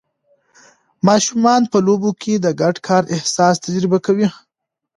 ماشومان په لوبو کې د ګډ کار احساس تجربه کوي.